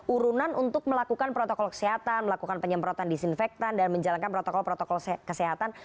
urunan untuk melakukan protokol kesehatan melakukan penyemprotan disinfektan dan menjalankan protokol protokol kesehatan